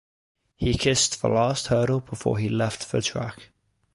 He kissed the last hurdle before he left the track.